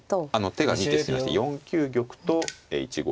手が２手進みまして４九玉と１五歩ですね。